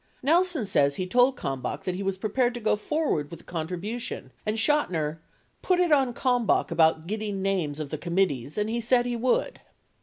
Nelson says he told Kalmbach that he was prepared to go forward with the contribution and Chotiner "put it on [Kalmbach] about getting names of the committees, and he said he would."